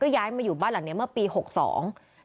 ก็ย้ายมาอยู่บ้านหลังเนี้ยเมื่อปีหกสองจนถึงตอนนี้